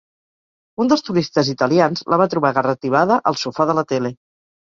Un dels turistes italians la va trobar garratibada al sofà de la tele.